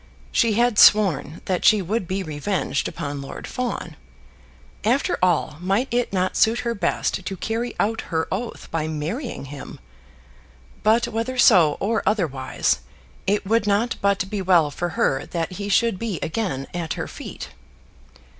She had sworn that she would be revenged upon Lord Fawn. After all, might it not suit her best to carry out her oath by marrying him? But whether so or otherwise, it would not but be well for her that he should be again at her feet.